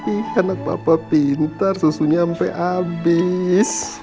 ihh anak papa pintar susunya ampe abis